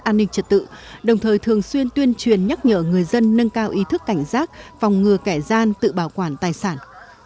an ninh trật tự đồng thời thường xuyên tuyên truyền nhắc nhở người dân nâng cao ý thức cảnh giác phòng ngừa kẻ gian tự bảo quản tài sản